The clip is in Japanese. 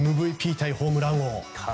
ＭＶＰ対ホームラン王。